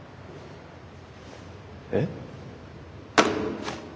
えっ？